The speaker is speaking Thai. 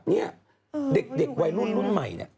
เนี่ยเด็กวัยรุ่นรุ่นใหม่เนี่ย